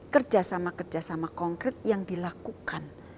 kerjasama kerjasama konkret yang dilakukan